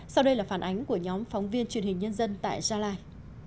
sau đây là phản ánh của nhóm phóng viên truyền hình nhân dân tại gia lai